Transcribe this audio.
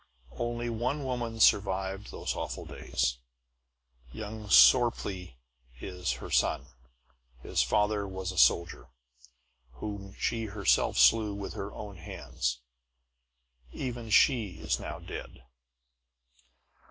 Only one woman survived those awful days. Young Sorplee is her son; his father was a soldier, whom she herself slew with her own hands. Even she is now dead.